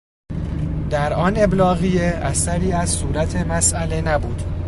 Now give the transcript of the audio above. در آن ابلاغیه اثری از صورت مساله نبود